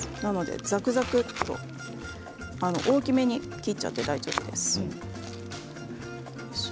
ザクザクと大きめに切っちゃって大丈夫です。